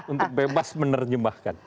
untuk bebas menerjemahkan